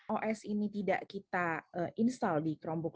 os ini tidak kita install di chromebook